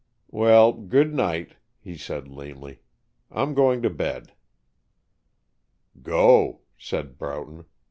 "Well, good night," he said lamely. "I'm going to bed." "Go," said Broughton.